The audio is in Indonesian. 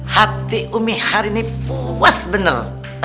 hati umi hari ini puas benar